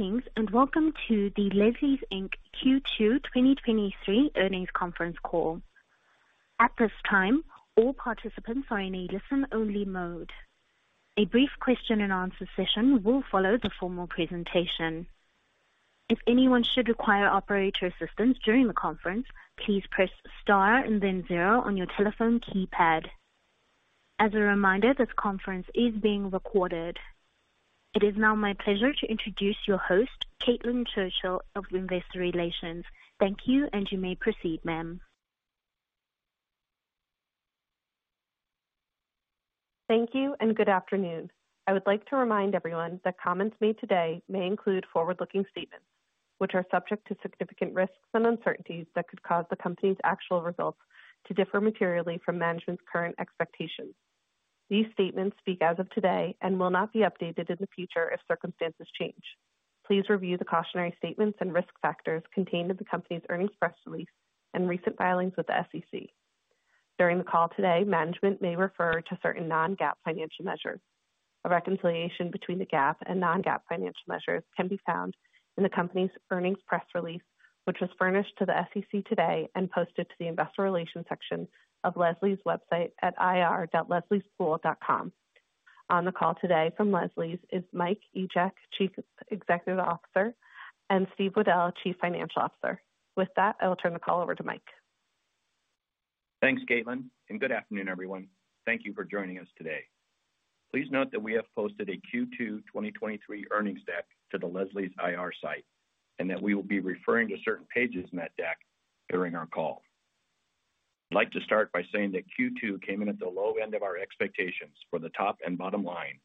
Greetings. Welcome to the Leslie's Inc. Q2 2023 earnings conference call. At this time, all participants are in a listen-only mode. A brief question and answer session will follow the formal presentation. If anyone should require operator assistance during the conference, please press star and then zero on your telephone keypad. As a reminder, this conference is being recorded. It is now my pleasure to introduce your host, Caitlin Churchill of Investor Relations. Thank you. You may proceed, ma'am. Thank you and good afternoon. I would like to remind everyone that comments made today may include forward-looking statements, which are subject to significant risks and uncertainties that could cause the Company's actual results to differ materially from management's current expectations. These statements speak as of today and will not be updated in the future if circumstances change. Please review the cautionary statements and risk factors contained in the Company's earnings press release and recent filings with the SEC. During the call today, management may refer to certain non-GAAP financial measures. A reconciliation between the GAAP and non-GAAP financial measures can be found in the Company's earnings press release, which was furnished to the SEC today and posted to the investor relations section of Leslie's website at ir.lesliespool.com. On the call today from Leslie's is Mike Egeck, Chief Executive Officer, and Steven Weddell, Chief Financial Officer. With that, I will turn the call over to Mike. Thanks, Caitlin. Good afternoon, everyone. Thank you for joining us today. Please note that we have posted a Q2 2023 earnings deck to the Leslie's IR site, and that we will be referring to certain pages in that deck during our call. I'd like to start by saying that Q2 came in at the low end of our expectations for the top and bottom line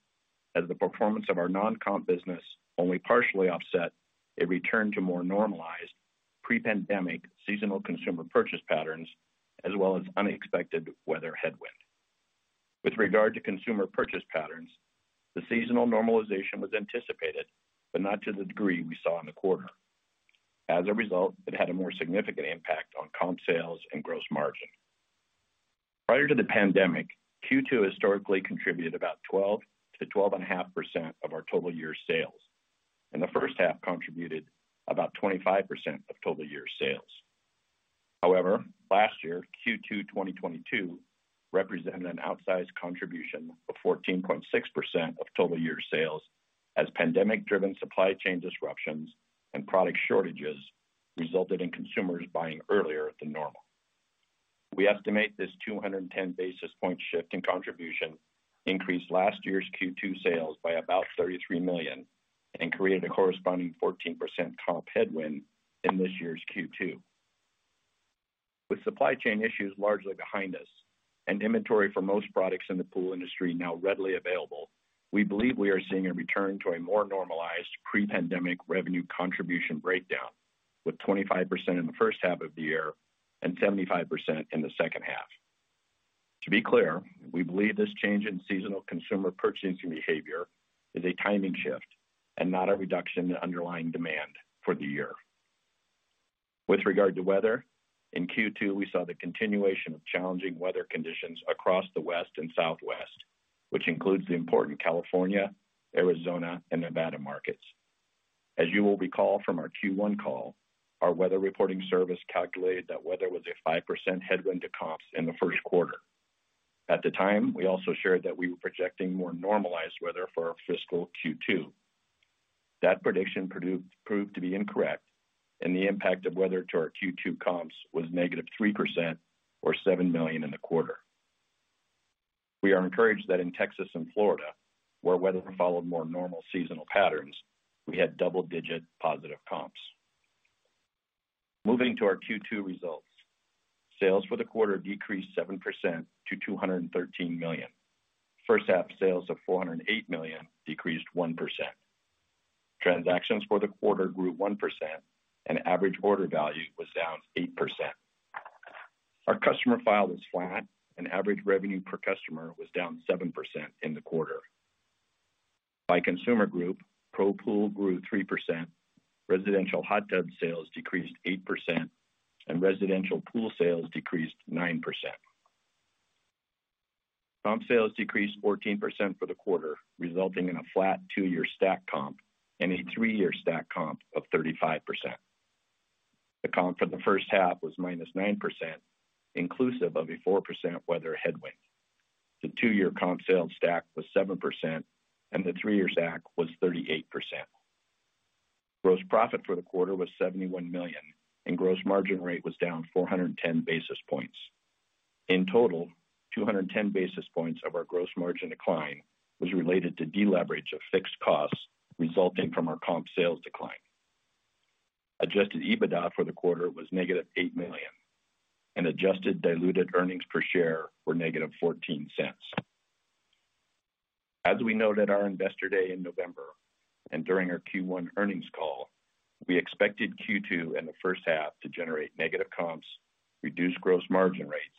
as the performance of our non-comp business only partially offset a return to more normalized pre-pandemic seasonal consumer purchase patterns as well as unexpected weather headwind. With regard to consumer purchase patterns, the seasonal normalization was anticipated, but not to the degree we saw in the quarter. As a result, it had a more significant impact on comp sales and gross margin. Prior to the pandemic, Q2 historically contributed about 12%-12.5% of our total year sales, and the H1 contributed about 25% of total year sales. Last year, Q2 2022 represented an outsized contribution of 14.6% of total year sales as pandemic-driven supply chain disruptions and product shortages resulted in consumers buying earlier than normal. We estimate this 210 basis point shift in contribution increased last year's Q2 sales by about $33 million and created a corresponding 14% comp headwind in this year's Q2. With supply chain issues largely behind us and inventory for most products in the pool industry now readily available, we believe we are seeing a return to a more normalized pre-pandemic revenue contribution breakdown, with 25% in the H1 of the year and 75% in the H2. To be clear, we believe this change in seasonal consumer purchasing behavior is a timing shift and not a reduction in underlying demand for the year. With regard to weather, in Q2, we saw the continuation of challenging weather conditions across the West and Southwest, which includes the important California, Arizona, and Nevada markets. As you will recall from our Q1 call, our weather reporting service calculated that weather was a 5% headwind to comps in the first quarter. At the time, we also shared that we were projecting more normalized weather for our fiscal Q2. That prediction proved to be incorrect and the impact of weather to our Q2 comps was -3% or $7 million in the quarter. We are encouraged that in Texas and Florida, where weather followed more normal seasonal patterns, we had double-digit positive comps. Moving to our Q2 results. Sales for the quarter decreased 7% to $213 million. H1 sales of $408 million decreased 1%. Transactions for the quarter grew 1% and average order value was down 8%. Our customer file was flat and average revenue per customer was down 7% in the quarter. By consumer group, pro pool grew 3%, residential hot tub sales decreased 8%, and residential pool sales decreased 9%. Comp sales decreased 14% for the quarter, resulting in a flat two-year stack comp and a three-year stack comp of 35%. The comp for the H1 was -9%, inclusive of a 4% weather headwind. The two-year comp sales stack was 7%, and the three-year stack was 38%. Gross profit for the quarter was $71 million, and gross margin rate was down 410 basis points. In total, 210 basis points of our gross margin decline was related to deleverage of fixed costs resulting from our comp sales decline. Adjusted EBITDA for the quarter was negative $8 million and adjusted diluted earnings per share were negative $0.14. As we noted our Investor Day in November and during our Q1 earnings call, we expected Q2 and the H1 to generate negative comps, reduced gross margin rates,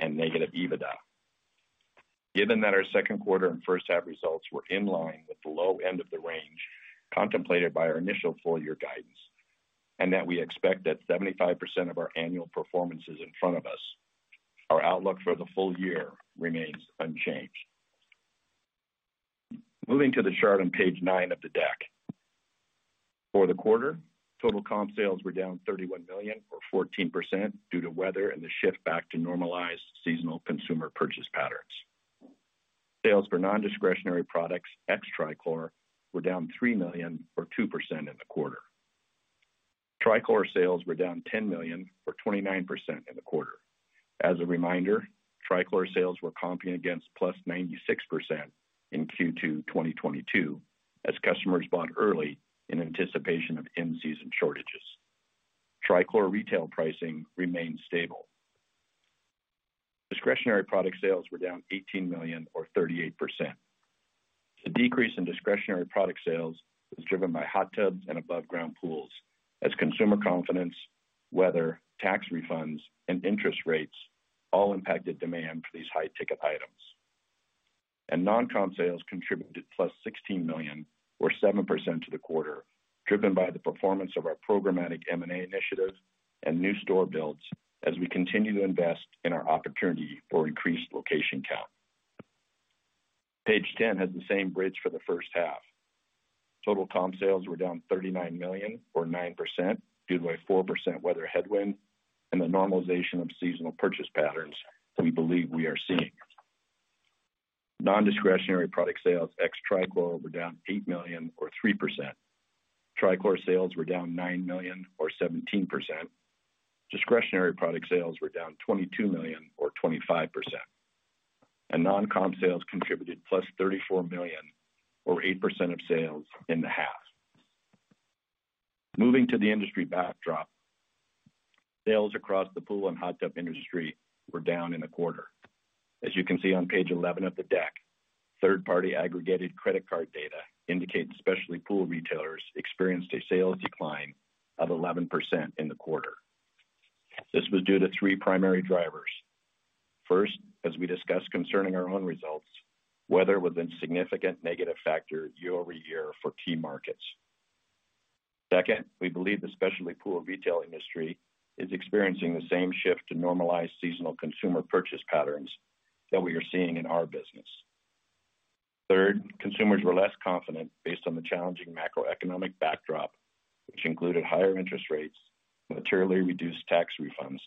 and negative EBITDA. Given that our second quarter and H1 results were in line with the low end of the range contemplated by our initial full-year guidance, and that we expect that 75% of our annual performance is in front of us. Our outlook for the full year remains unchanged. Moving to the chart on page 9 of the deck. For the quarter, total comp sales were down $31 million or 14% due to weather and the shift back to normalized seasonal consumer purchase patterns. Sales for non-discretionary products ex-trichlor were down $3 million or 2% in the quarter. Trichlor sales were down $10 million or 29% in the quarter. As a reminder, trichlor sales were comping against plus 96% in Q2 2022 as customers bought early in anticipation of end-season shortages. Trichlor retail pricing remained stable. Discretionary product sales were down $18 million or 38%. The decrease in discretionary product sales was driven by hot tubs and above ground pools as consumer confidence, weather, tax refunds, and interest rates all impacted demand for these high ticket items. Non-comp sales contributed +$16 million or 7% to the quarter, driven by the performance of our programmatic M&A initiatives and new store builds as we continue to invest in our opportunity for increased location count. Page 10 has the same bridge for the H1. Total comp sales were down $39 million or 9% due to a 4% weather headwind and the normalization of seasonal purchase patterns we believe we are seeing. Non-discretionary product sales ex-trichlor were down $8 million or 3%. Trichlor sales were down $9 million or 17%. Discretionary product sales were down $22 million or 25%. Non-comp sales contributed +$34 million or 8% of sales in the half. Moving to the industry backdrop. Sales across the pool and hot tub industry were down in the quarter. As you can see on page 11 of the deck, third-party aggregated credit card data indicates specialty pool retailers experienced a sales decline of 11% in the quarter. This was due to three primary drivers. First, as we discussed concerning our own results, weather was a significant negative factor year-over-year for key markets. Second, we believe the specialty pool retail industry is experiencing the same shift to normalized seasonal consumer purchase patterns that we are seeing in our business. Third, consumers were less confident based on the challenging macroeconomic backdrop, which included higher interest rates, materially reduced tax refunds,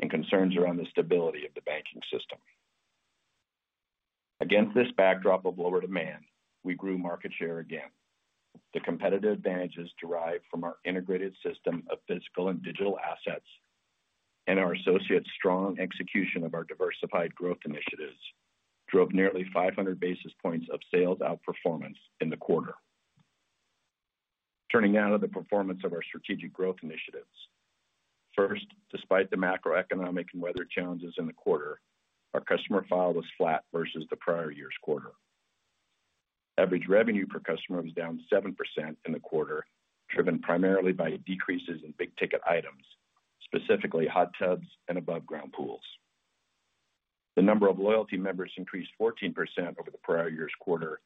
and concerns around the stability of the banking system. Against this backdrop of lower demand, we grew market share again. The competitive advantages derived from our integrated system of physical and digital assets and our associates' strong execution of our diversified growth initiatives drove nearly 500 basis points of sales outperformance in the quarter. Turning now to the performance of our strategic growth initiatives. First, despite the macroeconomic and weather challenges in the quarter, our customer file was flat versus the prior year's quarter. Average revenue per customer was down 7% in the quarter, driven primarily by decreases in big-ticket items, specifically hot tubs and above ground pools. The number of loyalty members increased 14% over the prior year's quarter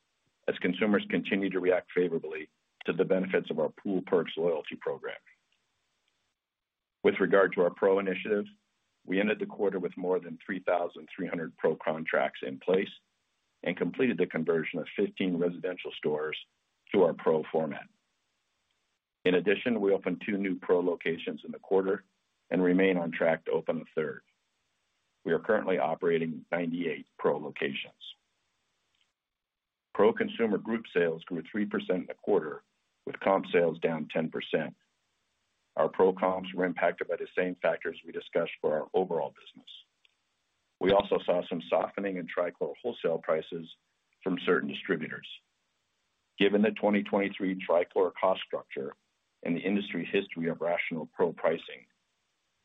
as consumers continued to react favorably to the benefits of our Pool Perks loyalty program. With regard to our Pro initiative, we ended the quarter with more than 3,300 Pro contracts in place and completed the conversion of 15 residential stores to our Pro format. In addition, we opened two new Pro locations in the quarter and remain on track to open a third. We are currently operating 98 Pro locations. Pro consumer group sales grew 3% in the quarter, with comp sales down 10%. Our Pro comps were impacted by the same factors we discussed for our overall business. We also saw some softening in trichlor wholesale prices from certain distributors. Given the 2023 trichlor cost structure and the industry history of rational Pro pricing,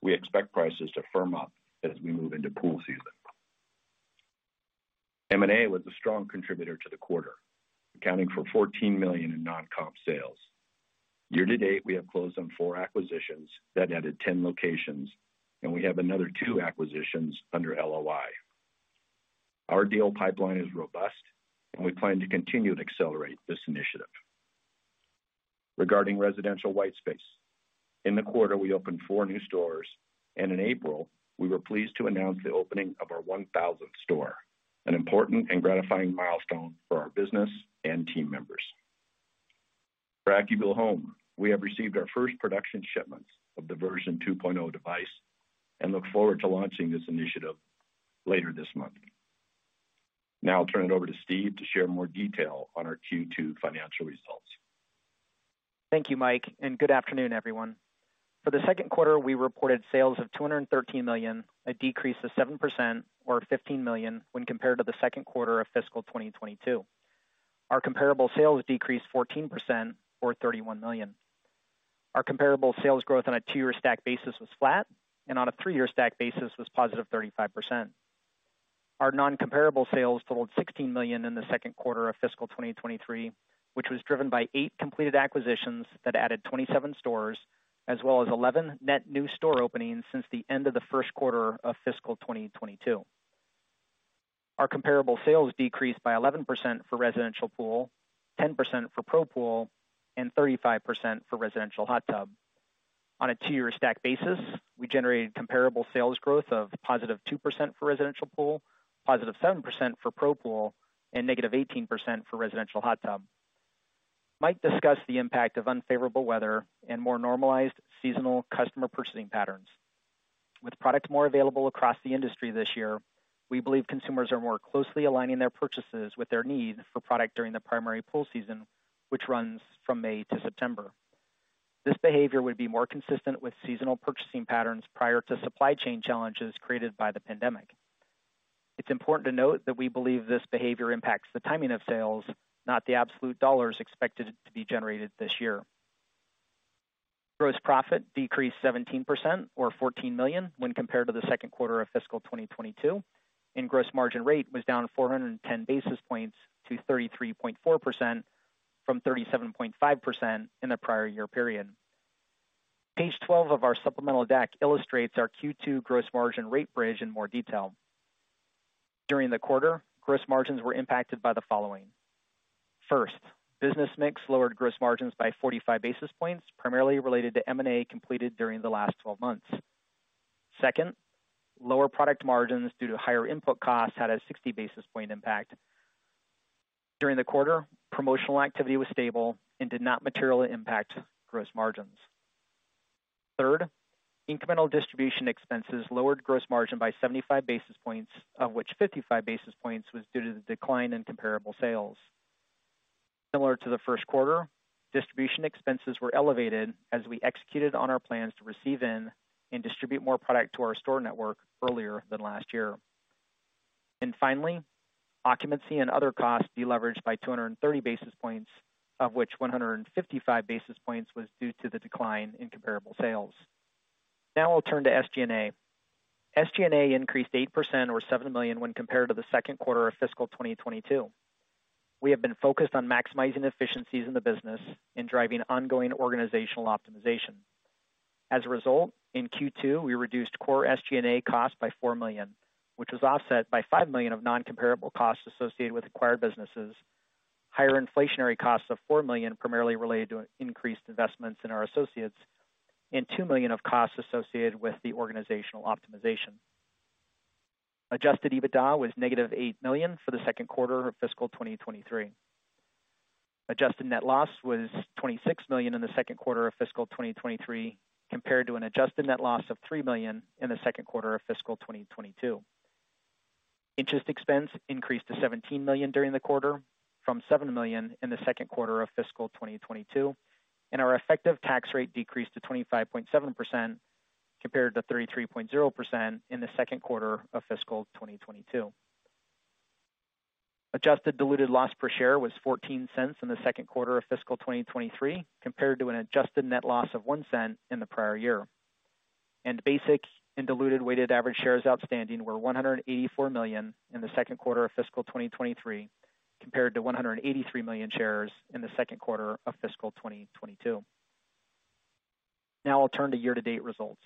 we expect prices to firm up as we move into pool season. M&A was a strong contributor to the quarter, accounting for $14 million in non-comp sales. Year to date, we have closed on four acquisitions that added 10 locations, and we have another two acquisitions under LOI. Our deal pipeline is robust, and we plan to continue to accelerate this initiative. Regarding residential white space, in the quarter, we opened four new stores, and in April, we were pleased to announce the opening of our 1,000th store, an important and gratifying milestone for our business and team members. For AccuBlue Home, we have received our first production shipments of the version 2.0 device and look forward to launching this initiative later this month. Now I'll turn it over to Steve to share more detail on our Q2 financial results. Thank you, Mike, and good afternoon, everyone. For the second quarter, we reported sales of $213 million, a decrease of 7% or $15 million when compared to the second quarter of fiscal 2022. Our comparable sales decreased 14% or $31 million. Our comparable sales growth on a two-year stack basis was flat and on a three-year stack basis was positive 35%. Our non-comparable sales totaled $16 million in the second quarter of fiscal 2023, which was driven by eight completed acquisitions that added 27 stores as well as 11 net new store openings since the end of the first quarter of fiscal 2022. Our comparable sales decreased by 11% for residential pool, 10% for pro pool, and 35% for residential hot tub. On a two-year stack basis, we generated comparable sales growth of positive 2% for residential pool, positive 7% for pro pool, and negative 18% for residential hot tub. Mike discussed the impact of unfavorable weather and more normalized seasonal customer purchasing patterns. With products more available across the industry this year, we believe consumers are more closely aligning their purchases with their needs for product during the primary pool season, which runs from May to September. This behavior would be more consistent with seasonal purchasing patterns prior to supply chain challenges created by the pandemic. It's important to note that we believe this behavior impacts the timing of sales, not the absolute dollars expected to be generated this year. Gross profit decreased 17% or $14 million when compared to the second quarter of fiscal 2022. Gross margin rate was down 410 basis points to 33.4% from 37.5% in the prior year period. Page 12 of our supplemental deck illustrates our Q2 gross margin rate bridge in more detail. During the quarter, gross margins were impacted by the following. First, business mix lowered gross margins by 45 basis points, primarily related to M&A completed during the last 12 months. Second, lower product margins due to higher input costs had a 60 basis point impact. During the quarter, promotional activity was stable and did not materially impact gross margins. Third, incremental distribution expenses lowered gross margin by 75 basis points, of which 55 basis points was due to the decline in comparable sales. Similar to the first quarter, distribution expenses were elevated as we executed on our plans to receive in and distribute more product to our store network earlier than last year. Finally, occupancy and other costs deleveraged by 230 basis points, of which 155 basis points was due to the decline in comparable sales. We'll turn to SG&A. SG&A increased 8% or $7 million when compared to the second quarter of fiscal 2022. We have been focused on maximizing efficiencies in the business and driving ongoing organizational optimization. As a result, in Q2, we reduced core SG&A costs by $4 million, which was offset by $5 million of non-comparable costs associated with acquired businesses, higher inflationary costs of $4 million primarily related to increased investments in our associates, and $2 million of costs associated with the organizational optimization. Adjusted EBITDA was negative $8 million for the second quarter of fiscal 2023. Adjusted net loss was $26 million in the second quarter of fiscal 2023, compared to an adjusted net loss of $3 million in the second quarter of fiscal 2022. Interest expense increased to $17 million during the quarter from $7 million in the second quarter of fiscal 2022, and our effective tax rate decreased to 25.7% compared to 33.0% in the second quarter of fiscal 2022. Adjusted diluted loss per share was $0.14 in the second quarter of fiscal 2023 compared to an adjusted net loss of $0.01 in the prior year. Basic and diluted weighted average shares outstanding were 184 million in the second quarter of fiscal 2023 compared to 183 million shares in the second quarter of fiscal 2022. Now I'll turn to year-to-date results.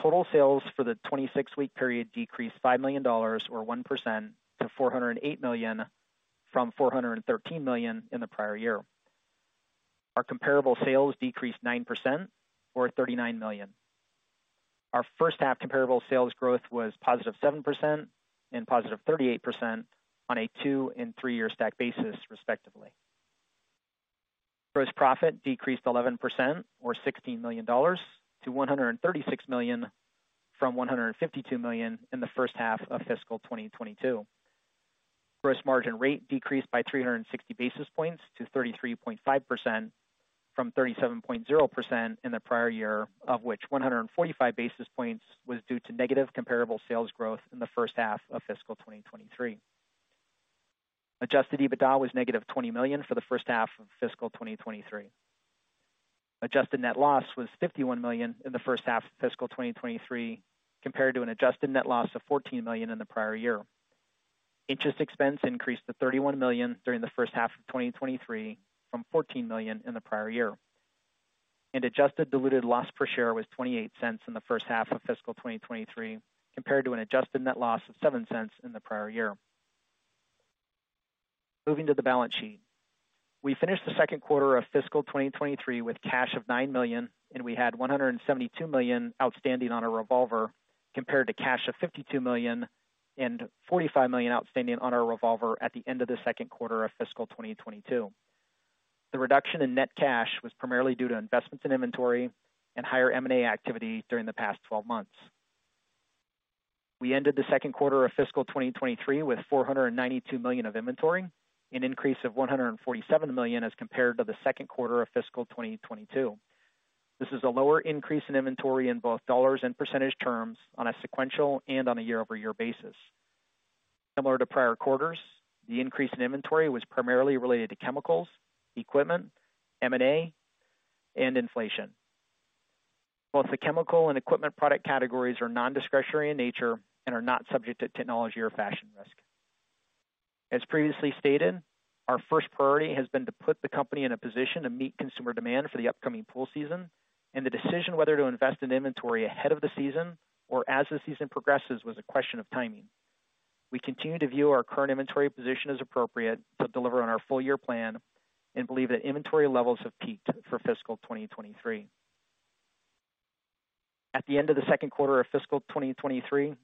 Total sales for the 26-week period decreased $5 million or 1% to $408 million from $413 million in the prior year. Our comparable sales decreased 9% or $39 million. Our H1 comparable sales growth was positive 7% and positive 38% on a two and three-year stack basis, respectively. Gross profit decreased 11% or $16 million to $136 million from $152 million in the first half of fiscal 2022. Gross margin rate decreased by 360 basis points to 33.5% from 37.0% in the prior year, of which 145 basis points was due to negative comparable sales growth in the first half of fiscal 2023. Adjusted EBITDA was negative $20 million for the H1 of fiscal 2023. Adjusted net loss was $51 million in the H1 of fiscal 2023 compared to an adjusted net loss of $14 million in the prior year. Interest expense increased to $31 million during the H1 of 2023 from $14 million in the prior year. Adjusted diluted loss per share was $0.28 in the H1 of fiscal 2023 compared to an adjusted net loss of $0.07 in the prior year. Moving to the balance sheet. We finished the second quarter of fiscal 2023 with cash of $9 million. We had $172 million outstanding on a revolver compared to cash of $52 million and $45 million outstanding on our revolver at the end of the second quarter of fiscal 2022. The reduction in net cash was primarily due to investments in inventory and higher M&A activity during the past 12 months. We ended the second quarter of fiscal 2023 with $492 million of inventory, an increase of $147 million as compared to the second quarter of fiscal 2022. This is a lower increase in inventory in both dollars and percentage terms on a sequential and on a year-over-year basis. Similar to prior quarters, the increase in inventory was primarily related to chemicals, equipment, M&A, and inflation. Both the chemical and equipment product categories are non-discretionary in nature and are not subject to technology or fashion risk. As previously stated, our first priority has been to put the company in a position to meet consumer demand for the upcoming pool season, the decision whether to invest in inventory ahead of the season or as the season progresses was a question of timing. We continue to view our current inventory position as appropriate to deliver on our full-year plan and believe that inventory levels have peaked for fiscal 2023. At the end of the second quarter of fiscal 2023,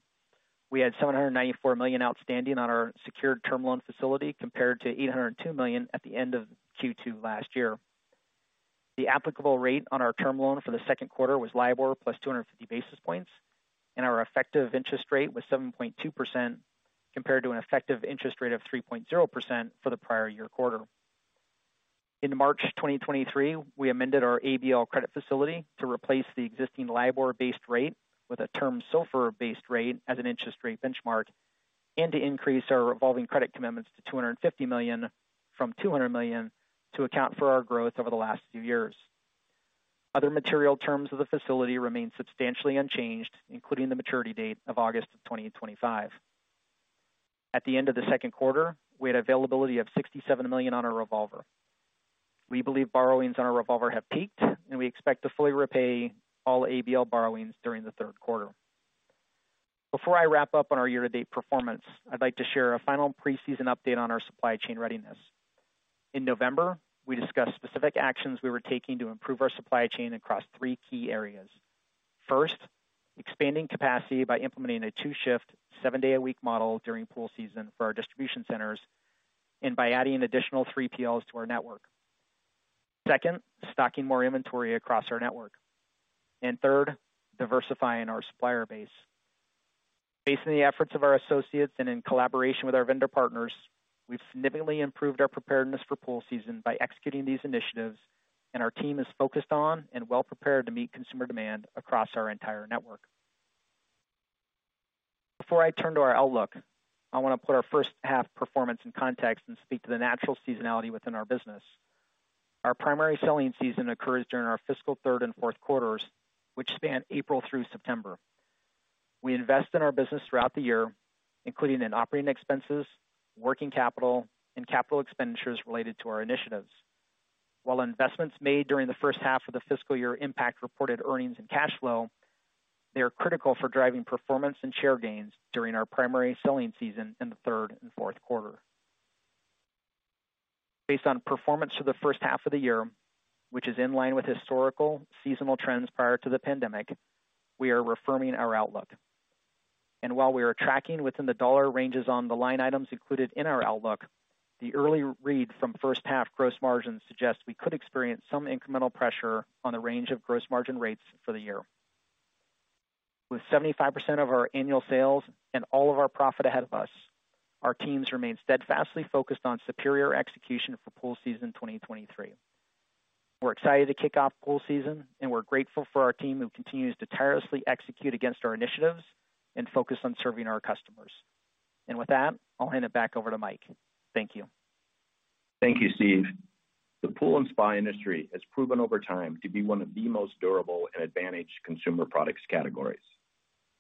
we had $794 million outstanding on our secured term loan facility compared to $802 million at the end of Q2 last year. The applicable rate on our term loan for the second quarter was LIBOR plus 250 basis points, and our effective interest rate was 7.2% compared to an effective interest rate of 3.0% for the prior year quarter. In March 2023, we amended our ABL credit facility to replace the existing LIBOR-based rate with a term SOFR-based rate as an interest rate benchmark and to increase our revolving credit commitments to $250 million from $200 million to account for our growth over the last few years. Other material terms of the facility remain substantially unchanged, including the maturity date of August 2025. At the end of the second quarter, we had availability of $67 million on our revolver. We believe borrowings on our revolver have peaked, and we expect to fully repay all ABL borrowings during the third quarter. Before I wrap up on our year-to-date performance, I'd like to share a final pre-season update on our supply chain readiness. In November, we discussed specific actions we were taking to improve our supply chain across three key areas. First, expanding capacity by implementing a two shift, seven-day-a-week model during pool season for our distribution centers and by adding an additional 3PLs to our network. Second, stocking more inventory across our network. Third, diversifying our supplier base. Based on the efforts of our associates and in collaboration with our vendor partners, we've significantly improved our preparedness for pool season by executing these initiatives, and our team is focused on and well-prepared to meet consumer demand across our entire network. Before I turn to our outlook, I wanna put our first half performance in context and speak to the natural seasonality within our business. Our primary selling season occurs during our fiscal third and fourth quarters, which span April through September. We invest in our business throughout the year, including in operating expenses, working capital, and capital expenditures related to our initiatives. While investments made during the H1 of the fiscal year impact reported earnings and cash flow, they are critical for driving performance and share gains during our primary selling season in the third and fourth quarter. Based on performance for the first half of the year, which is in line with historical seasonal trends prior to the pandemic, we are reaffirming our outlook. While we are tracking within the dollar ranges on the line items included in our outlook, the early read from first half gross margins suggest we could experience some incremental pressure on the range of gross margin rates for the year. With 75% of our annual sales and all of our profit ahead of us, our teams remain steadfastly focused on superior execution for pool season 2023. We're excited to kick off pool season, and we're grateful for our team who continues to tirelessly execute against our initiatives and focus on serving our customers. With that, I'll hand it back over to Mike. Thank you. Thank you, Steve. The pool and spa industry has proven over time to be one of the most durable and advantaged consumer products categories.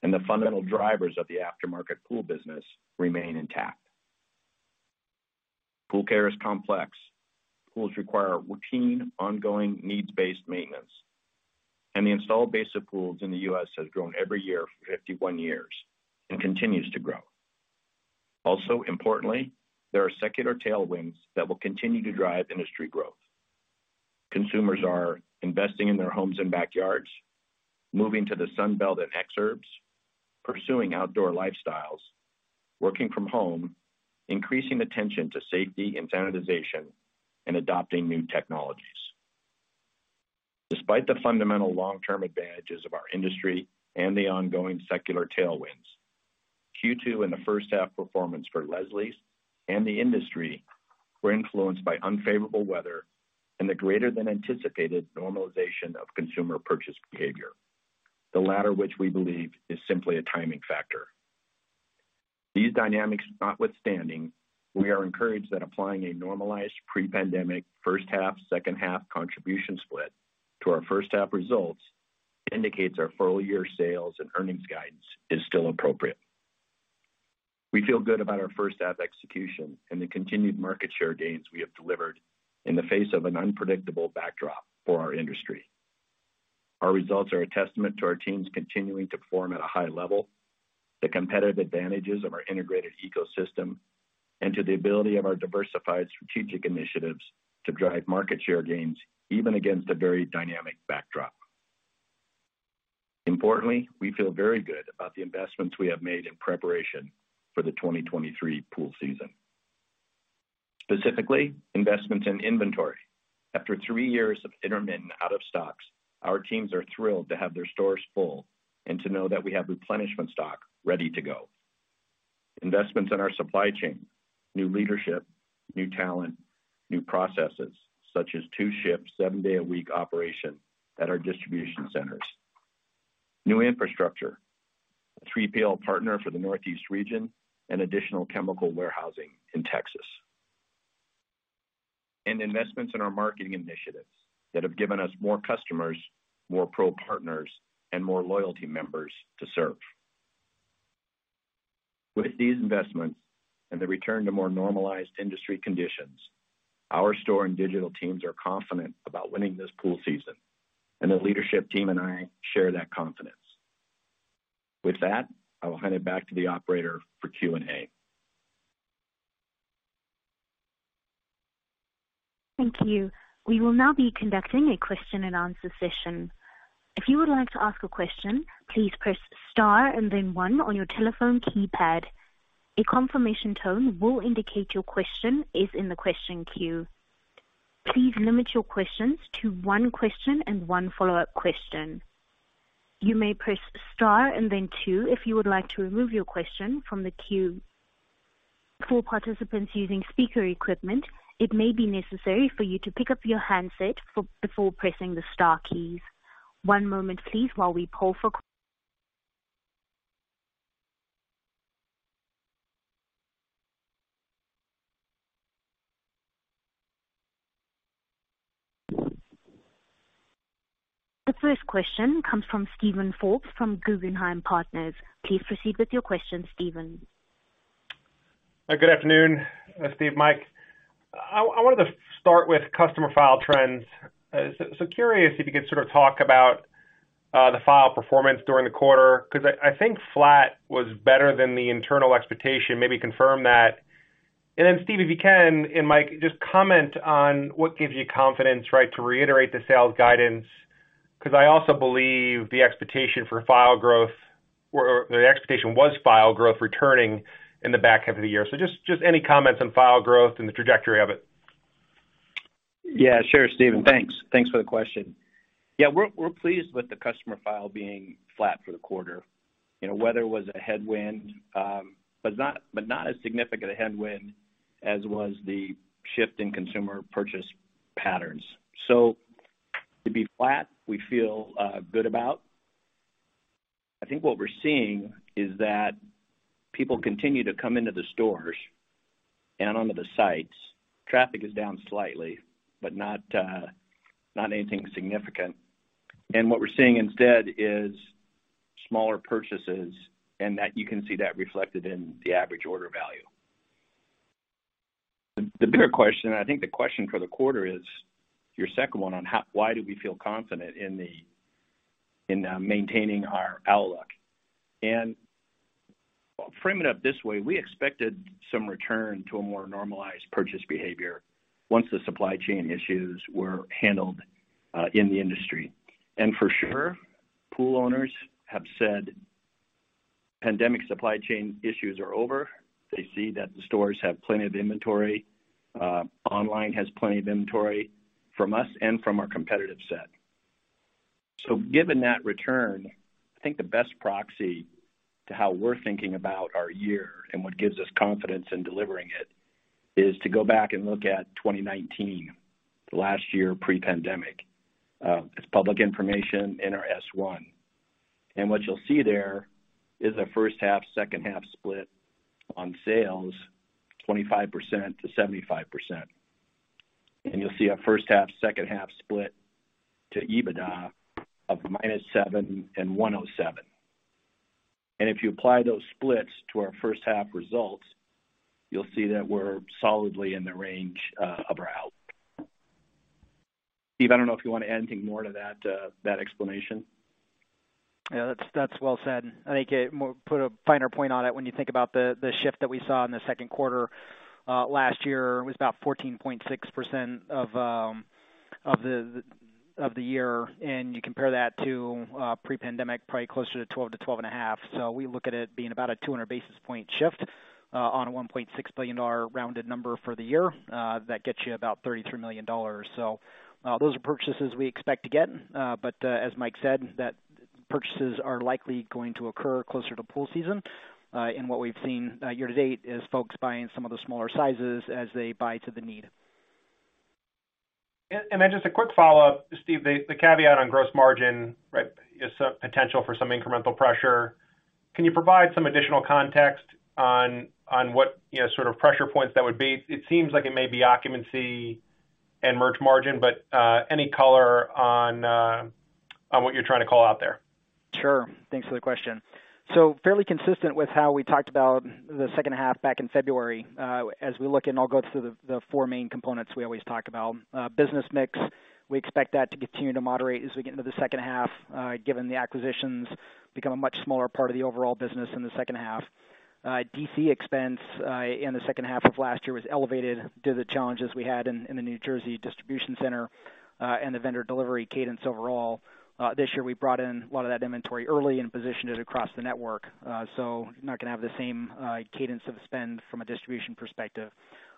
The fundamental drivers of the aftermarket pool business remain intact. Pool care is complex. Pools require routine, ongoing, needs-based maintenance. The installed base of pools in the U.S. has grown every year for 51 years and continues to grow. Also, importantly, there are secular tailwinds that will continue to drive industry growth. Consumers are investing in their homes and backyards, moving to the Sun Belt and exurbs, pursuing outdoor lifestyles, working from home, increasing attention to safety and sanitization, and adopting new technologies. Despite the fundamental long-term advantages of our industry and the ongoing secular tailwinds, Q2 and the H1 performance for Leslie's and the industry were influenced by unfavorable weather and the greater than anticipated normalization of consumer purchase behavior, the latter which we believe is simply a timing factor. These dynamics notwithstanding, we are encouraged that applying a normalized pre-pandemic H1, H2 contribution split to our H1 results indicates our full-year sales and earnings guidance is still appropriate. We feel good about our H1 execution and the continued market share gains we have delivered in the face of an unpredictable backdrop for our industry. Our results are a testament to our teams continuing to perform at a high level, the competitive advantages of our integrated ecosystem, and to the ability of our diversified strategic initiatives to drive market share gains, even against a very dynamic backdrop. Importantly, we feel very good about the investments we have made in preparation for the 2023 pool season. Specifically, investments in inventory. After three years of intermittent out of stocks, our teams are thrilled to have their stores full and to know that we have replenishment stock ready to go. Investments in our supply chain, new leadership, new talent, new processes such as two shifts, seven-day-a-week operation at our distribution centers. New infrastructure, a 3PL partner for the Northeast region, and additional chemical warehousing in Texas. Investments in our marketing initiatives that have given us more customers, more pro partners, and more loyalty members to serve. With these investments and the return to more normalized industry conditions, our store and digital teams are confident about winning this pool season, and the leadership team and I share that confidence. With that, I will hand it back to the operator for Q&A. Thank you. We will now be conducting a question-and-answer session. If you would like to ask a question, please press star and then one on your telephone keypad. A confirmation tone will indicate your question is in the question queue. Please limit your questions to one question and one follow-up question. You may press star and then two if you would like to remove your question from the queue. For participants using speaker equipment, it may be necessary for you to pick up your handset before pressing the star keys. One moment, please, while we poll for. The first question comes from Steven Forbes from Guggenheim Securities. Please proceed with your question, Steven. Good afternoon, Steve, Mike. I wanted to start with customer file trends. Curious if you could sort of talk about the file performance during the quarter, 'cause I think flat was better than the internal expectation. Maybe confirm that. Steve, if you can, and Mike, just comment on what gives you confidence, right, to reiterate the sales guidance, because I also believe the expectation for file growth or the expectation was file growth returning in the back half of the year. Just any comments on file growth and the trajectory of it. Yeah, sure, Steven. Thanks. Thanks for the question. Yeah. We're pleased with the customer file being flat for the quarter. You know, weather was a headwind, but not as significant a headwind as was the shift in consumer purchase patterns. To be flat, we feel good about. I think what we're seeing is that people continue to come into the stores and onto the sites. Traffic is down slightly, but not anything significant. What we're seeing instead is smaller purchases, and that you can see that reflected in the average order value. The bigger question, I think the question for the quarter is your second one on why do we feel confident in maintaining our outlook. I'll frame it up this way. We expected some return to a more normalized purchase behavior once the supply chain issues were handled in the industry. For sure, pool owners have said pandemic supply chain issues are over. They see that the stores have plenty of inventory, online has plenty of inventory from us and from our competitive set. Given that return, I think the best proxy to how we're thinking about our year and what gives us confidence in delivering it is to go back and look at 2019, the last year pre-pandemic. It's public information in our S-1. What you'll see there is a H1, H2 split on sales, 25%-75%. You'll see a H1, H2 split to EBITDA of -7% and 107%. If you apply those splits to our H1 results, you'll see that we're solidly in the range of our outlook. Steve, I don't know if you want to add anything more to that explanation. Yeah, that's well said. I think it more put a finer point on it when you think about the shift that we saw in the second quarter, last year was about 14.6% of the year, and you compare that to pre-pandemic, probably closer to 12%-12.5%. We look at it being about a 200 basis point shift on a $1.6 billion rounded number for the year. That gets you about $33 million. Those are purchases we expect to get. As Mike said, that purchases are likely going to occur closer to pool season. What we've seen year-to-date is folks buying some of the smaller sizes as they buy to the need. Just a quick follow-up, Steve. The caveat on gross margin, right, is potential for some incremental pressure. Can you provide some additional context on what, you know, sort of pressure points that would be? It seems like it may be occupancy and merch margin, but any color on what you're trying to call out there? Thanks for the question. Fairly consistent with how we talked about the H2 back in February, as we look, and I'll go through the four main components we always talk about. Business mix, we expect that to continue to moderate as we get into the H2, given the acquisitions become a much smaller part of the overall business in the H2. DC expense in the second half of last year was elevated due to the challenges we had in the New Jersey distribution center, and the vendor delivery cadence overall. This year we brought in a lot of that inventory early and positioned it across the network. Not gonna have the same cadence of spend from a distribution perspective.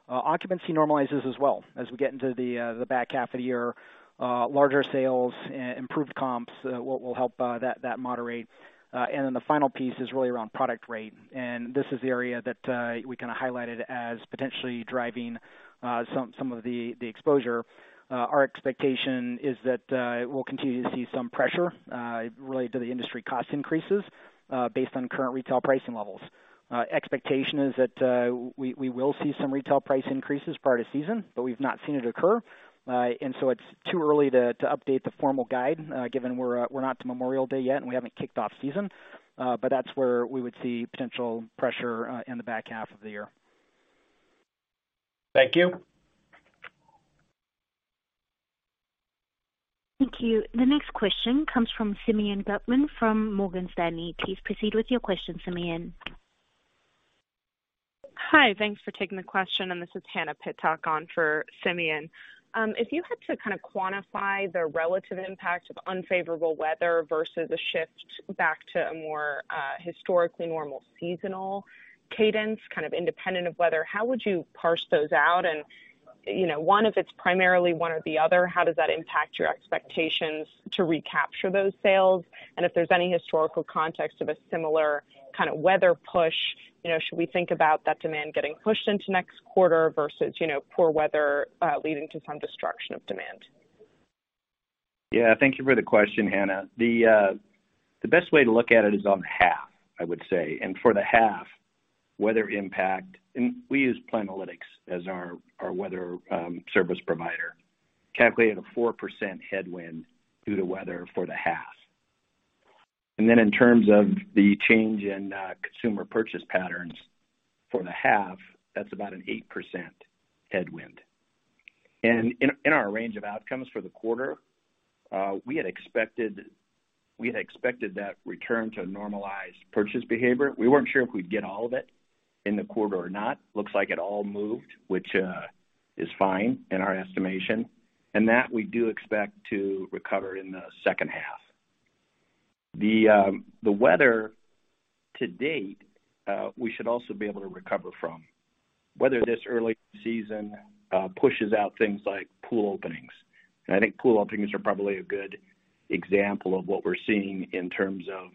Occupancy normalizes as well. As we get into the back half of the year, larger sales, improved comps, will help that moderate. The final piece is really around product rate, and this is the area that we kind of highlighted as potentially driving some of the exposure. Our expectation is that we'll continue to see some pressure related to the industry cost increases based on current retail pricing levels. Expectation is that we will see some retail price increases prior to season, but we've not seen it occur. It's too early to update the formal guide, given we're not to Memorial Day yet and we haven't kicked off season. That's where we would see potential pressure in the back half of the year. Thank you. Thank you. The next question comes from Simeon Gutman from Morgan Stanley. Please proceed with your question, Simeon. Hi. Thanks for taking the question, and this is Hannah Pittock on for Simeon. If you had to kind of quantify the relative impact of unfavorable weather versus a shift back to a more historically normal seasonal cadence, kind of independent of weather, how would you parse those out? You know, one, if it's primarily one or the other, how does that impact your expectations to recapture those sales? If there's any historical context of a similar kind of weather push, you know, should we think about that demand getting pushed into next quarter versus, you know, poor weather leading to some destruction of demand? Yeah. Thank you for the question, Hannah. The best way to look at it is on half, I would say. For the half weather impact, and we use Planalytics as our weather service provider, calculated a 4% headwind due to weather for the half. Then in terms of the change in consumer purchase patterns for the half, that's about an 8% headwind. In, in our range of outcomes for the quarter, we had expected that return to normalized purchase behavior. We weren't sure if we'd get all of it in the quarter or not. Looks like it all moved, which is fine in our estimation. That we do expect to recover in the H2. The weather to date, we should also be able to recover from. Weather this early season pushes out things like pool openings. I think pool openings are probably a good example of what we're seeing in terms of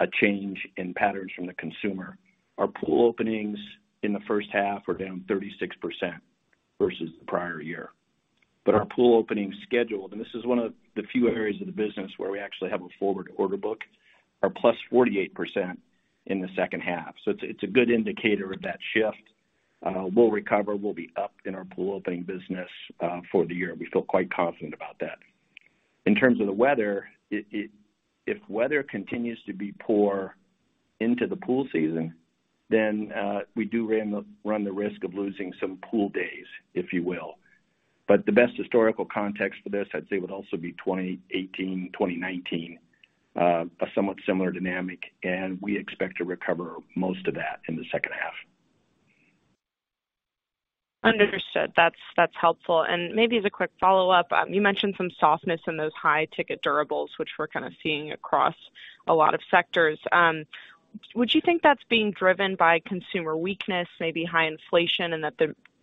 a change in patterns from the consumer. Our pool openings in the H1 are down 36% versus the prior year. Our pool openings scheduled, and this is one of the few areas of the business where we actually have a forward order book, are plus 48% in the H2. It's a good indicator of that shift. We'll recover. We'll be up in our pool opening business for the year. We feel quite confident about that. In terms of the weather, if weather continues to be poor into the pool season, then we do run the risk of losing some pool days, if you will. The best historical context for this, I'd say, would also be 2018, 2019, a somewhat similar dynamic, and we expect to recover most of that in the H2. Understood. That's helpful. Maybe as a quick follow-up, you mentioned some softness in those high ticket durables, which we're kind of seeing across a lot of sectors. Would you think that's being driven by consumer weakness, maybe high inflation, and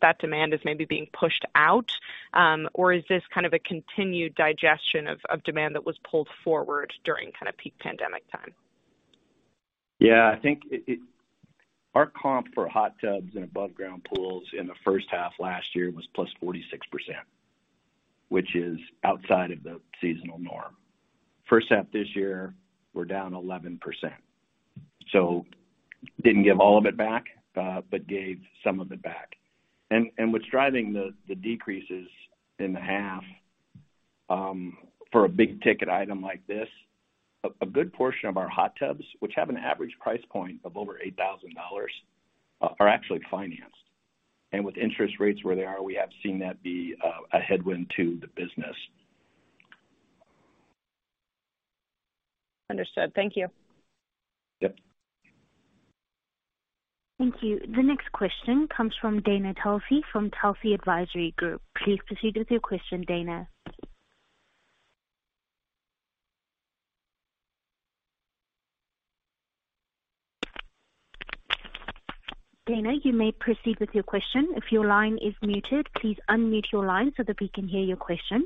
that demand is maybe being pushed out? Is this kind of a continued digestion of demand that was pulled forward during kind of peak pandemic time? I think Our comp for hot tubs and above ground pools in the first half last year was plus 46%, which is outside of the seasonal norm. H1 this year, we're down 11%. Didn't give all of it back, but gave some of it back. What's driving the decreases in the half, for a big ticket item like this, a good portion of our hot tubs, which have an average price point of over $8,000, are actually financed. With interest rates where they are, we have seen that be a headwind to the business. Understood. Thank you. Yep. Thank you. The next question comes from Dana Telsey from Telsey Advisory Group. Please proceed with your question, Dana. Dana, you may proceed with your question. If your line is muted, please unmute your line so that we can hear your question.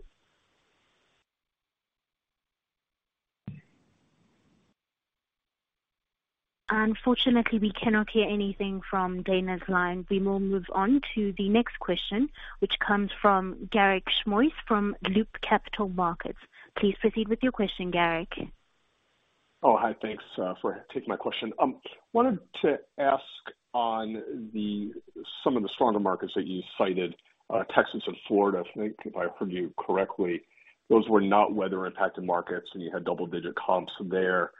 Unfortunately, we cannot hear anything from Dana's line. We will move on to the next question, which comes from Garik Shmois from Loop Capital Markets. Please proceed with your question, Garik. Hi. Thanks for taking my question. Wanted to ask on some of the stronger markets that you cited, Texas and Florida, I think if I heard you correctly. Those were not weather impacted markets, and you had double digit comps there.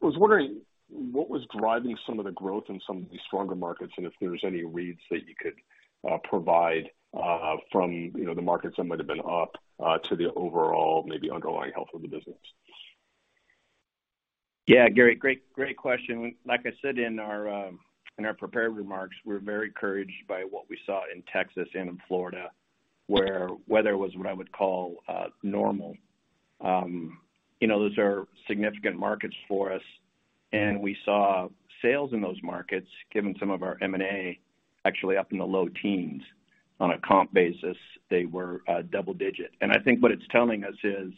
Was wondering what was driving some of the growth in some of these stronger markets, and if there's any reads that you could provide from, you know, the markets that might have been up to the overall maybe underlying health of the business? Yeah. Garik, great question. Like I said in our prepared remarks, we're very encouraged by what we saw in Texas and in Florida, where weather was what I would call normal. You know, those are significant markets for us, and we saw sales in those markets, given some of our M&A actually up in the low teens. On a comp basis, they were double digit. I think what it's telling us is,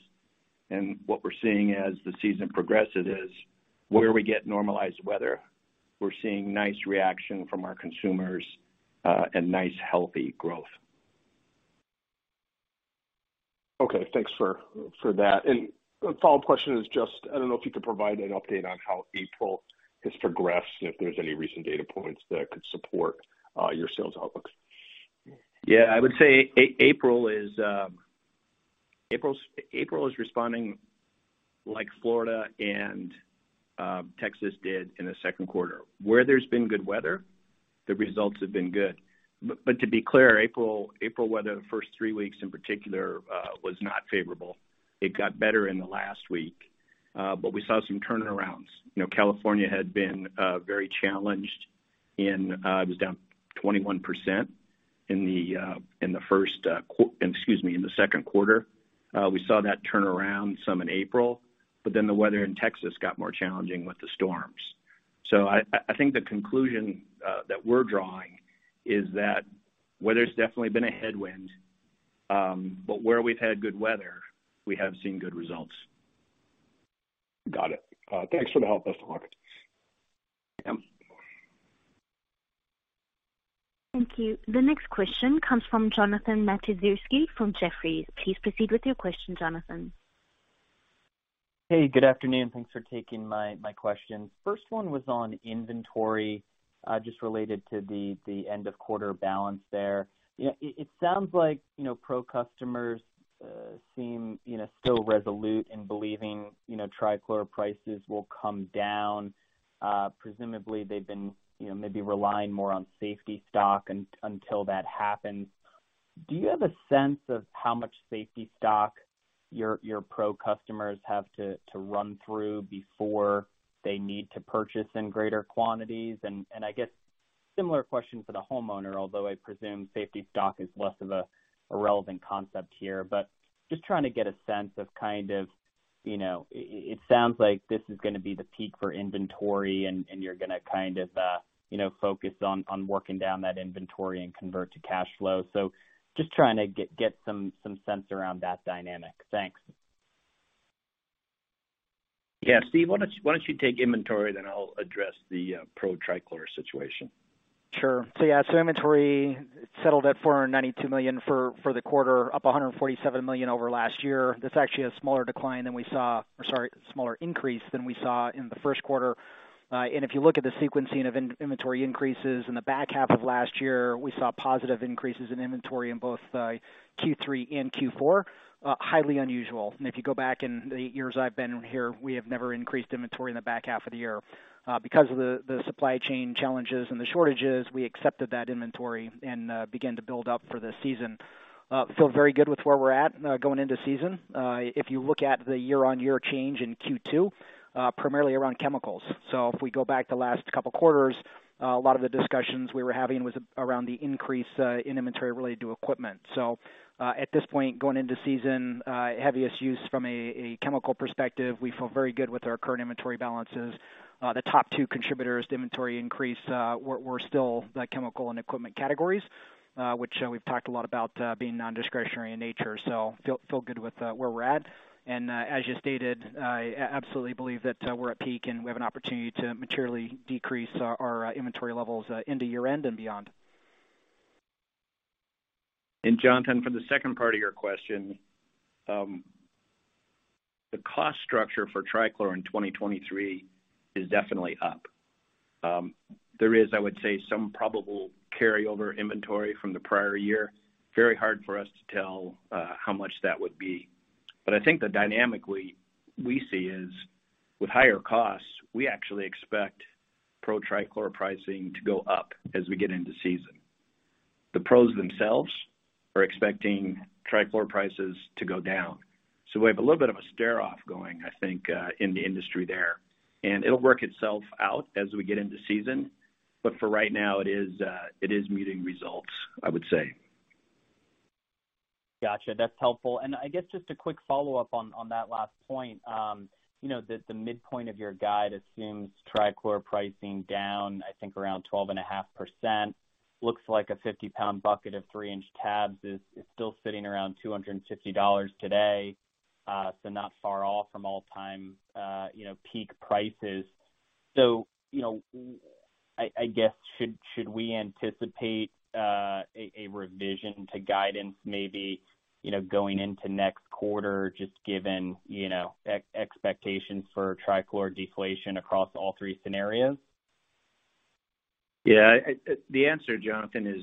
and what we're seeing as the season progresses, is where we get normalized weather, we're seeing nice reaction from our consumers, and nice, healthy growth. Okay. Thanks for that. A follow-up question is just, I don't know if you could provide an update on how April has progressed and if there's any recent data points that could support your sales outlooks? April is responding like Florida and Texas did in the second quarter. Where there's been good weather, the results have been good. To be clear, April weather, the first three weeks in particular, was not favorable. It got better in the last week, but we saw some turnarounds. You know, California had been very challenged and it was down 21% in the first quarter, excuse me, in the second quarter. We saw that turn around some in April, but then the weather in Texas got more challenging with the storms. I think the conclusion that we're drawing is that weather's definitely been a headwind, but where we've had good weather, we have seen good results. Got it. Thanks for the help. Best of luck. Yep. Thank you. The next question comes from Jonathan Matuszewski from Jefferies. Please proceed with your question, Jonathan. Good afternoon. Thanks for taking my question. First one was on inventory, just related to the end of quarter balance there. It sounds like, you know, pro customers seem, you know, still resolute in believing, you know, trichlor prices will come down. Presumably they've been, you know, maybe relying more on safety stock until that happens. Do you have a sense of how much safety stock your pro customers have to run through before they need to purchase in greater quantities? I guess similar question for the homeowner, although I presume safety stock is less of a relevant concept here, but just trying to get a sense of kind of, you know, it sounds like this is gonna be the peak for inventory and you're gonna kind of, you know, focus on working down that inventory and convert to cash flow. Just trying to get some sense around that dynamic. Thanks. Yeah. Steve, why don't you take inventory then I'll address the pro trichlor situation. Sure. Inventory settled at $492 million for the quarter, up $147 million over last year. That's actually a smaller increase than we saw in the first quarter. If you look at the sequencing of in-inventory increases in the back half of last year, we saw positive increases in inventory in both Q3 and Q4. Highly unusual. If you go back in the years I've been here, we have never increased inventory in the back half of the year. Because of the supply chain challenges and the shortages, we accepted that inventory and began to build up for the season. Feel very good with where we're at going into season. If you look at the year-over-year change in Q2, primarily around chemicals. If we go back the last couple quarters, a lot of the discussions we were having was around the increase, in inventory related to equipment. At this point, going into season, heaviest use from a chemical perspective, we feel very good with our current inventory balances. The top two contributors to inventory increase, were still the chemical and equipment categories, which, we've talked a lot about, being non-discretionary in nature. Feel good with, where we're at. As you stated, I absolutely believe that, we're at peak and we have an opportunity to materially decrease our inventory levels, into year-end and beyond. Jonathan, for the second part of your question, the cost structure for trichlor in 2023 is definitely up. There is, I would say, some probable carryover inventory from the prior year. Very hard for us to tell how much that would be. I think the dynamically we see is with higher costs, we actually expect pro trichlor pricing to go up as we get into season. The pros themselves are expecting trichlor prices to go down. We have a little bit of a stare-off going, I think, in the industry there, and it'll work itself out as we get into season. For right now, it is, it is meeting results, I would say. Gotcha. That's helpful. I guess just a quick follow-up on that last point. You know, the midpoint of your guide assumes trichlor pricing down, I think around 12.5%. Looks like a 50-pound bucket of three inch tabs is still sitting around $250 today. Not far off from all-time, you know, peak prices. You know, I guess, should we anticipate a revision to guidance maybe, you know, going into next quarter, just given, you know, expectations for trichlor deflation across all three scenarios? Yeah. The answer, Jonathan, is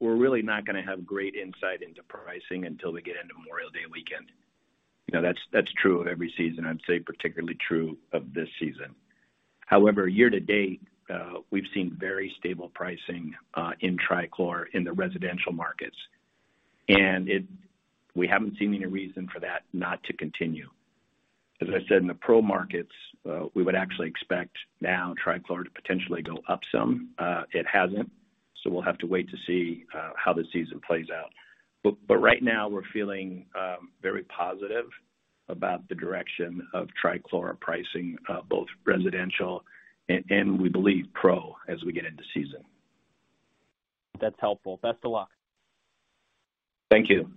we're really not gonna have great insight into pricing until we get into Memorial Day weekend. You know, that's true of every season, I'd say particularly true of this season. However, year to date, we've seen very stable pricing in trichlor in the residential markets, and we haven't seen any reason for that not to continue. As I said, in the pro markets, we would actually expect now trichlor to potentially go up some. It hasn't, we'll have to wait to see how the season plays out. Right now, we're feeling very positive about the direction of trichlor pricing, both residential and we believe pro as we get into season. That's helpful. Best of luck. Thank you.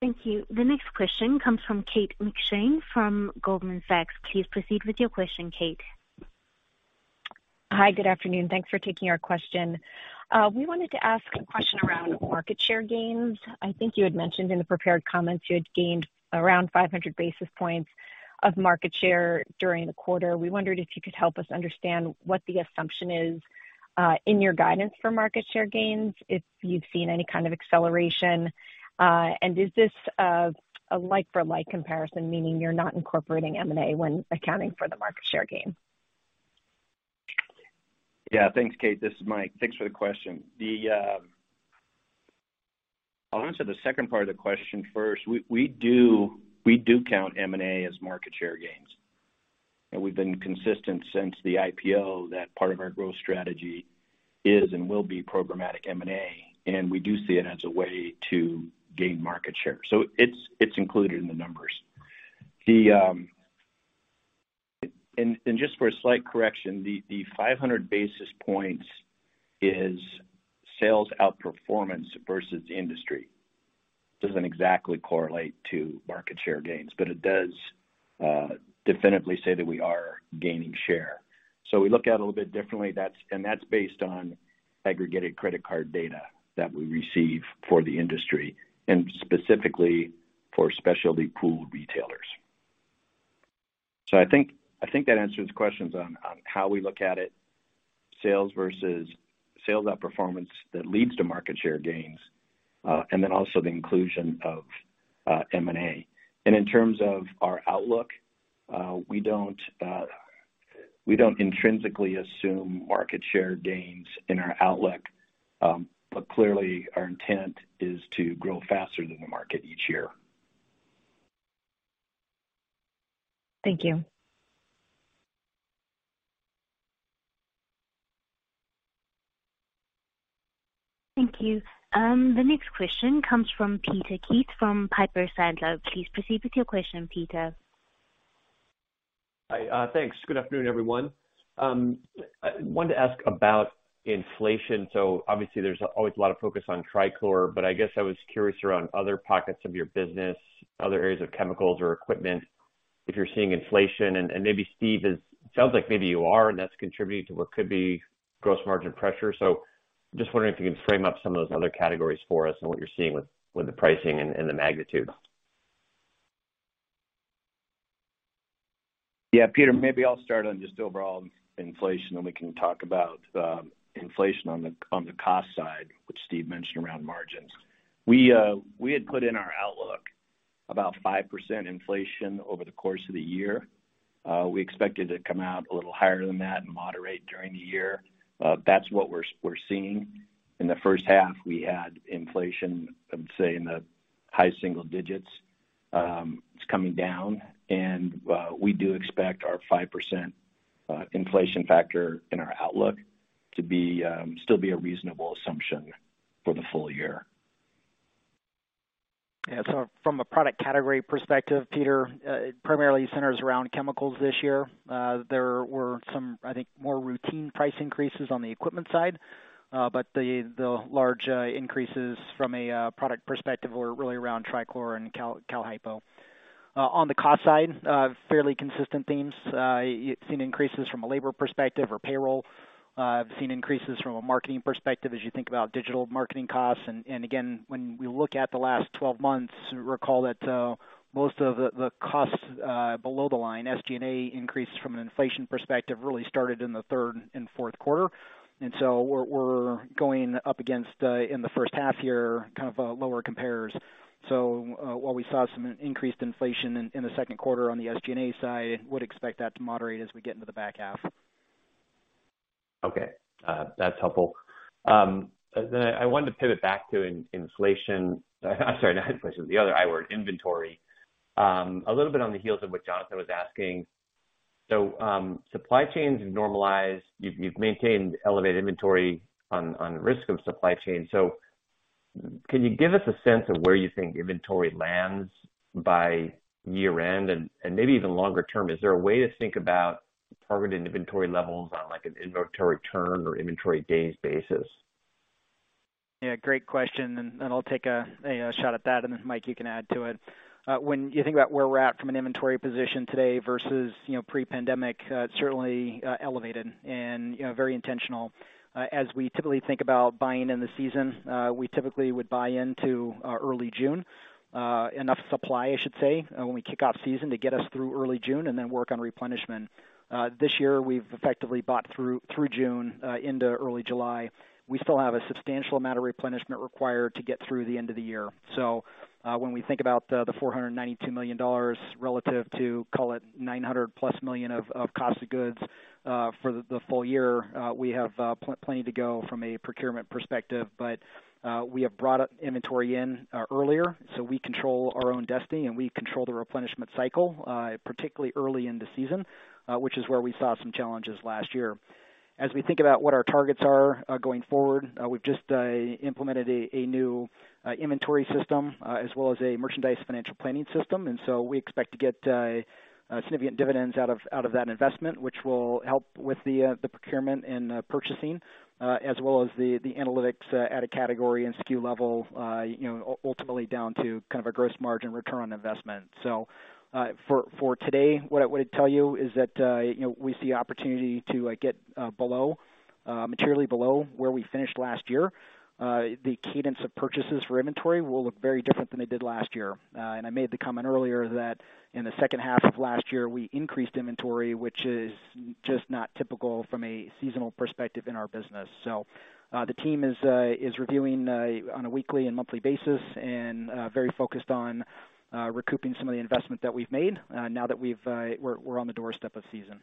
Thank you. The next question comes from Kate McShane from Goldman Sachs. Please proceed with your question, Kate. Hi. Good afternoon. Thanks for taking our question. We wanted to ask a question around market share gains. I think you had mentioned in the prepared comments you had gained around 500 basis points of market share during the quarter. We wondered if you could help us understand what the assumption is in your guidance for market share gains, if you've seen any kind of acceleration, and is this a like for like comparison, meaning you're not incorporating M&A when accounting for the market share gain? Yeah. Thanks, Kate. This is Mike. Thanks for the question. I'll answer the second part of the question first. We do count M&A as market share gains. We've been consistent since the IPO that part of our growth strategy is and will be programmatic M&A. We do see it as a way to gain market share. It's included in the numbers. Just for a slight correction, the 500 basis points is sales outperformance versus industry. Doesn't exactly correlate to market share gains, it does definitively say that we are gaining share. We look at it a little bit differently. That's based on aggregated credit card data that we receive for the industry and specifically for specialty pool retailers. I think that answers questions on how we look at it, sales versus sales outperformance that leads to market share gains, and then also the inclusion of M&A. In terms of our outlook, we don't intrinsically assume market share gains in our outlook. Clearly our intent is to grow faster than the market each year. Thank you. Thank you. The next question comes from Peter Keith from Piper Sandler. Please proceed with your question, Peter. Hi. Thanks. Good afternoon, everyone. I wanted to ask about inflation. Obviously there's always a lot of focus on trichlor, but I guess I was curious around other pockets of your business, other areas of chemicals or equipment, if you're seeing inflation. Maybe Steve. It sounds like maybe you are, and that's contributing to what could be gross margin pressure. Just wondering if you could frame up some of those other categories for us and what you're seeing with the pricing and the magnitude. Yeah, Peter, maybe I'll start on just overall inflation, and we can talk about inflation on the cost side, which Steve mentioned around margins. We had put in our outlook about 5% inflation over the course of the year. We expected to come out a little higher than that and moderate during the year. That's what we're seeing. In the H1, we had inflation, I would say, in the high single digits. It's coming down. We do expect our 5% inflation factor in our outlook to be still be a reasonable assumption for the full year. From a product category perspective, Peter, it primarily centers around chemicals this year. There were some, I think, more routine price increases on the equipment side. But the large increases from a product perspective were really around trichlor and cal hypo. On the cost side, fairly consistent themes. You've seen increases from a labor perspective or payroll. I've seen increases from a marketing perspective as you think about digital marketing costs. And again, when we look at the last 12 months, recall that most of the costs below the line, SG&A increase from an inflation perspective really started in the third and fourth quarter. We're going up against in the H1 year, kind of, lower comparers. While we saw some increased inflation in the second quarter on the SG&A side, would expect that to moderate as we get into the back half. Okay. That's helpful. I wanted to pivot back to inflation. I'm sorry, not inflation, the other I word, inventory. A little bit on the heels of what Jonathan was asking. Supply chains normalize. You've maintained elevated inventory on risk of supply chain. Can you give us a sense of where you think inventory lands by year-end and maybe even longer term? Is there a way to think about targeted inventory levels on, like, an inventory turn or inventory days basis? Yeah, great question. I'll take a shot at that, and then Mike, you can add to it. When you think about where we're at from an inventory position today versus, you know, pre-pandemic, it's certainly elevated and, you know, very intentional. As we typically think about buying in the season, we typically would buy into early June, enough supply, I should say, when we kick off season to get us through early June and then work on replenishment. This year we've effectively bought through June, into early July. We still have a substantial amount of replenishment required to get through the end of the year. When we think about the $492 million relative to, call it, $900+ million of cost of goods for the full year, we have plenty to go from a procurement perspective. We have brought inventory in earlier, so we control our own destiny, and we control the replenishment cycle, particularly early in the season, which is where we saw some challenges last year. As we think about what our targets are going forward, we've just implemented a new inventory system, as well as a merchandise financial planning system. We expect to get significant dividends out of that investment, which will help with the procurement and purchasing, as well as the analytics at a category and SKU level, you know, ultimately down to kind of a gross margin return on investment. For today, what I would tell you is that, you know, we see opportunity to, like, get below materially below where we finished last year. The cadence of purchases for inventory will look very different than they did last year. I made the comment earlier that in the second half of last year, we increased inventory, which is just not typical from a seasonal perspective in our business. The team is reviewing on a weekly and monthly basis and very focused on recouping some of the investment that we've made now that we're on the doorstep of season.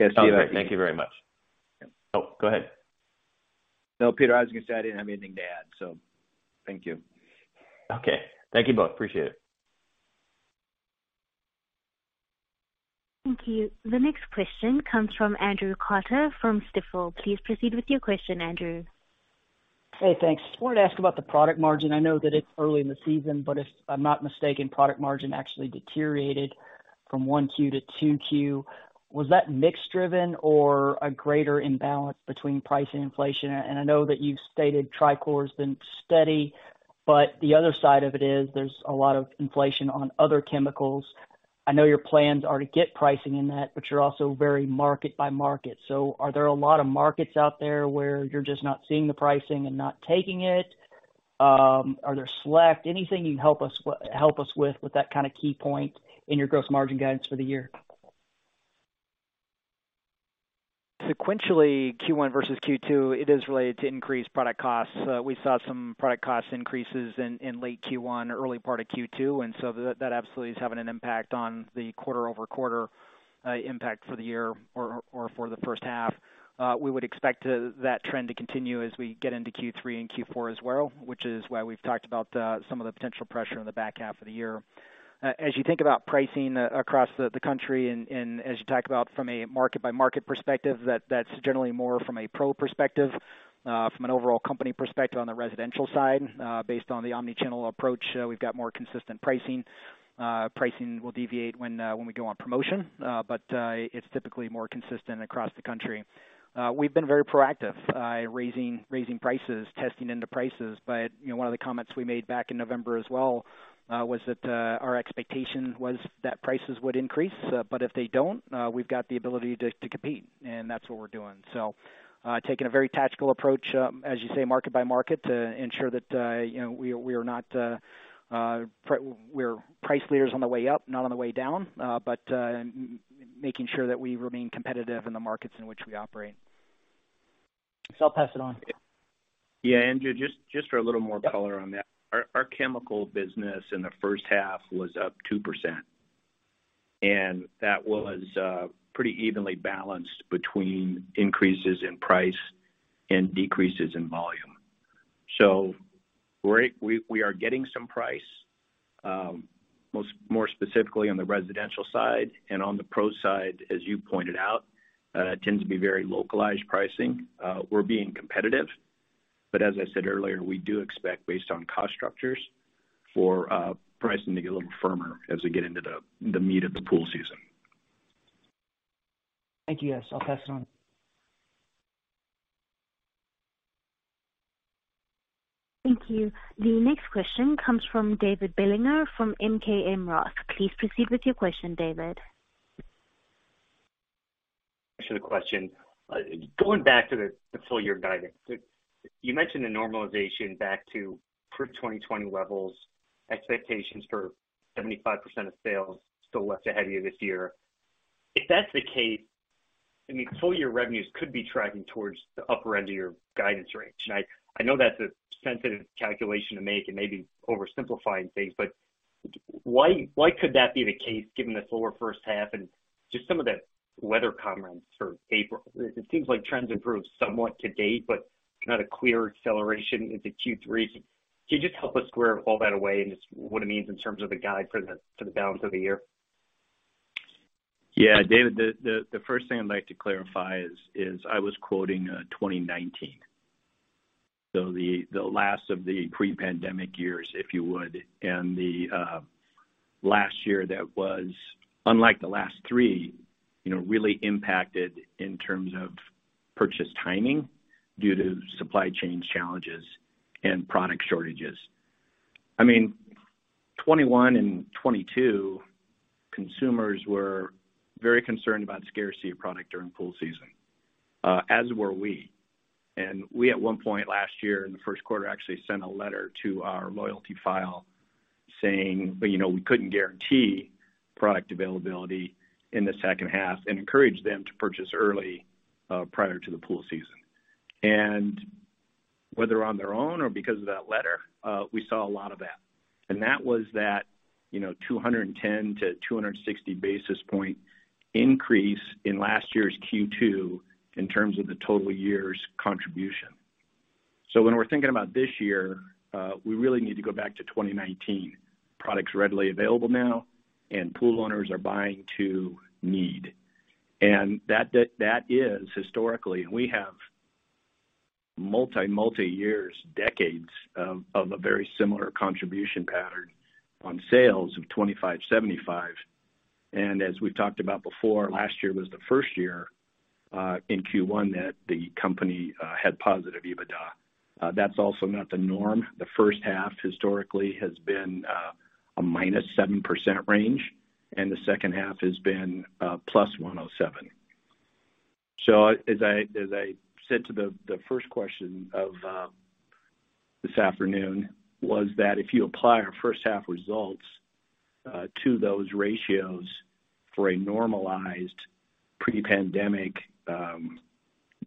Sounds good. Thank you very much. Oh, go ahead. Peter, I was gonna say I didn't have anything to add, so thank you. Okay. Thank you both. Appreciate it. Thank you. The next question comes from Andrew Carter from Stifel. Please proceed with your question, Andrew. Hey, thanks. I wanted to ask about the product margin. I know that it's early in the season, but if I'm not mistaken, product margin actually deteriorated from 1Q to 2Q. Was that mix driven or a greater imbalance between price and inflation? I know that you've stated trichlor's been steady, but the other side of it is there's a lot of inflation on other chemicals. I know your plans are to get pricing in that, but you're also very market by market. Are there a lot of markets out there where you're just not seeing the pricing and not taking it? Are there select anything you can help us with that kind of key point in your gross margin guidance for the year? Sequentially Q1 versus Q2, it is related to increased product costs. We saw some product cost increases in late Q1, early part of Q2, that absolutely is having an impact on the quarter-over-quarter impact for the year or for the H1. We would expect that trend to continue as we get into Q3 and Q4 as well, which is why we've talked about some of the potential pressure on the back half of the year. As you think about pricing across the country and as you talk about from a market-by-market perspective, that's generally more from a pro perspective, from an overall company perspective on the residential side, based on the omni-channel approach, we've got more consistent pricing. Pricing will deviate when we go on promotion, but it's typically more consistent across the country. We've been very proactive, raising prices, testing into prices. You know, one of the comments we made back in November as well, was that our expectation was that prices would increase, but if they don't, we've got the ability to compete, and that's what we're doing. Taking a very tactical approach, as you say, market by market to ensure that, you know, we are not, we're price leaders on the way up, not on the way down, but making sure that we remain competitive in the markets in which we operate. I'll pass it on. Yeah. Andrew, just for a little more color on that. Our chemical business in the first half was up 2%, and that was pretty evenly balanced between increases in price and decreases in volume. We are getting some price, more specifically on the residential side and on the pro side, as you pointed out, tends to be very localized pricing. We're being competitive, but as I said earlier, we do expect based on cost structures for pricing to get a little firmer as we get into the meat of the pool season. Thank you, guys. I'll pass it on. Thank you. The next question comes from David Bellinger from ROTH MKM. Please proceed with your question, David. Actually, the question, going back to the full year guidance, you mentioned the normalization back to pre-2020 levels, expectations for 75% of sales still left ahead of you this year. If that's the case, I mean, full year revenues could be tracking towards the upper end of your guidance range. I know that's a sensitive calculation to make and maybe oversimplifying things, why could that be the case given the slower first half and just some of the weather comments for April? It seems like trends improved somewhat to date, but not a clear acceleration into Q3. Can you just help us square all that away and what it means in terms of the guide for the balance of the year? Yeah, David, the first thing I'd like to clarify is I was quoting 2019. The last of the pre-pandemic years, if you would, and the last year that was unlike the last three, you know, really impacted in terms of purchase timing due to supply chains challenges and product shortages. I mean, 2021 and 2022 consumers were very concerned about scarcity of product during pool season, as were we. We at one point last year in the first quarter, actually sent a letter to our loyalty file saying, you know, we couldn't guarantee product availability in the H2 and encouraged them to purchase early prior to the pool season. Whether on their own or because of that letter, we saw a lot of that, and that was that, you know, 210-260 basis point increase in last year's Q2 in terms of the total year's contribution. When we're thinking about this year, we really need to go back to 2019. Products readily available now and pool owners are buying to need. That is historically, we have multi years, decades of a very similar contribution pattern on sales of 25%, 75%. As we've talked about before, last year was the first year in Q1 that the company had positive EBITDA. That's also not the norm. The H1 historically has been a -7% range, and the second half has been +107%. As I said to the first question of this afternoon was that if you apply our first half results to those ratios for a normalized pre-pandemic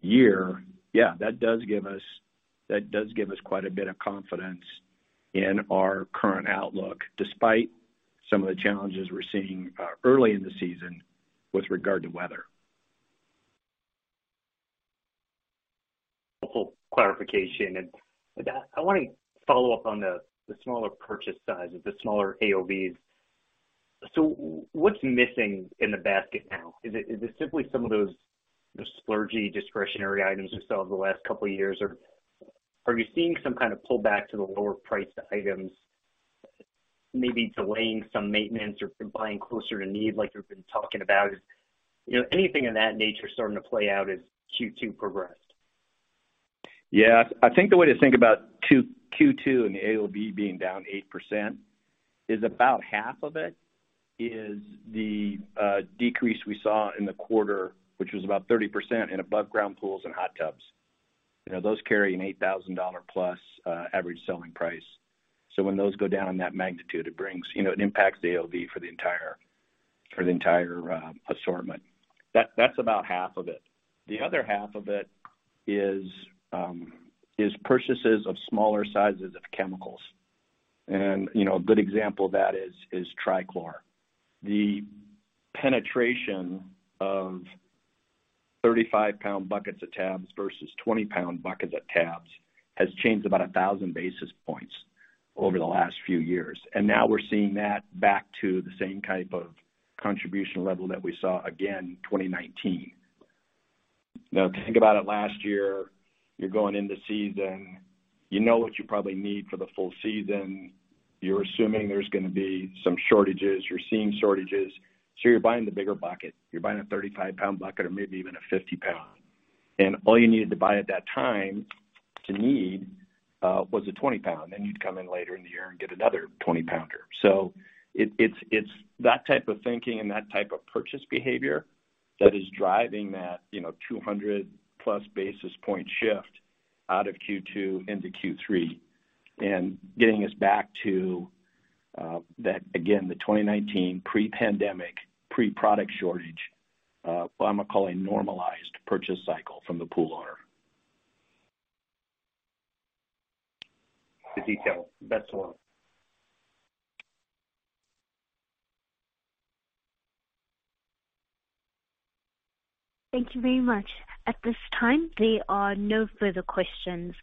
year. Yeah, that does give us quite a bit of confidence in our current outlook, despite some of the challenges we're seeing early in the season with regard to weather. Full clarification. I want to follow up on the smaller purchase sizes, the smaller AOBs. What's missing in the basket now? Is it simply some of those, the splurgy discretionary items you sell the last couple of years? Are you seeing some kind of pullback to the lower priced items, maybe delaying some maintenance or buying closer to need, like we've been talking about? Is, you know, anything of that nature starting to play out as Q2 progressed? Yeah. I think the way to think about Q2 and the AOB being down 8% is about half of it is the decrease we saw in the quarter, which was about 30% in above ground pools and hot tubs. You know, those carry an $8,000 plus average selling price. When those go down in that magnitude, it impacts the AOB for the entire assortment. That's about half of it. The other half of it is purchases of smaller sizes of chemicals. You know, a good example of that is TriChlor. The penetration of 35 pound buckets of tabs versus 20 pound buckets of tabs has changed about 1,000 basis points over the last few years. Now we're seeing that back to the same type of contribution level that we saw again 2019. If you think about it, last year, you're going into season. You know what you probably need for the full season. You're assuming there's gonna be some shortages. You're seeing shortages. You're buying the bigger bucket. You're buying a 35 pound bucket or maybe even a 50 pound. All you needed to buy at that time to need was a 20 pound, and you'd come in later in the year and get another 20 pounder. It's that type of thinking and that type of purchase behavior that is driving that, you know, 200 plus basis point shift out of Q2 into Q3 and getting us back to that again, the 2019 pre-pandemic, pre-product shortage, what I'm gonna call a normalized purchase cycle from the pool owner. The detail. That's all. Thank you very much. At this time, there are no further questions.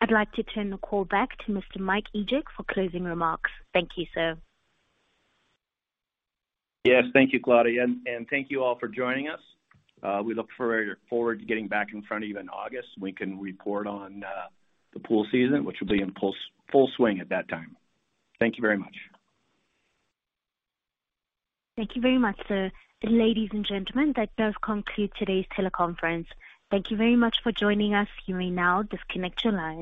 I'd like to turn the call back to Mr. Mike Egeck for closing remarks. Thank you, sir. Yes, thank you, Claudia, and thank you all for joining us. We look very forward to getting back in front of you in August. We can report on the pool season, which will be in full swing at that time. Thank you very much. Thank you very much, sir. Ladies and gentlemen, that does conclude today's teleconference. Thank you very much for joining us. You may now disconnect your lines.